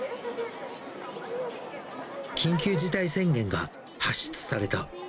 緊急事態宣言が発出された。